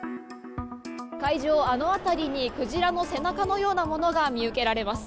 海上、あの辺りにクジラの背中のようなものが見受けられます。